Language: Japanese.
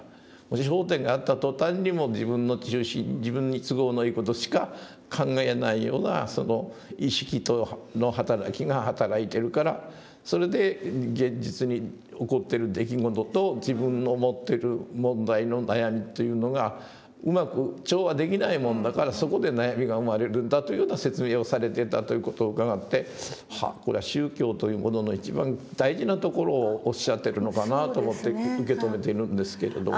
焦点が合った途端にもう自分の中心自分に都合のいい事しか考えないようなその意識の働きが働いてるからそれで現実に起こってる出来事と自分の持ってる問題の悩みというのがうまく調和できないもんだからそこで悩みが生まれるんだというような説明をされてたという事を伺って「はあこれは宗教というものの一番大事なところをおっしゃってるのかな」と思って受け止めているんですけれど。